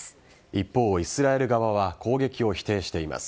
一方、イスラエル側は攻撃を否定しています。